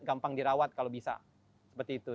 gampang dirawat kalau bisa seperti itu